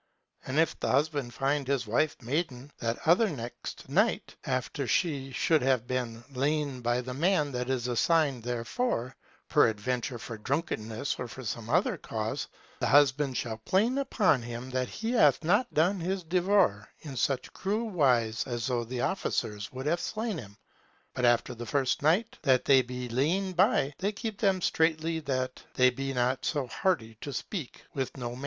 And if the husband find his wife maiden that other next night after that she should have been lain by of the man that is assigned therefore, peradventure for drunkenness or for some other cause, the husband shall plain upon him that he hath not done his devoir, in such cruel wise as though the officers would have slain him. But after the first night that they be lain by, they keep them so straitly that they be not so hardy to speak with no man.